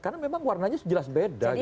karena memang warnanya jelas beda